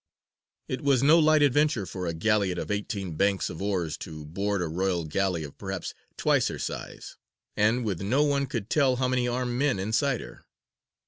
It was no light adventure for a galleot of eighteen banks of oars to board a royal galley of perhaps twice her size, and with no one could tell how many armed men inside her.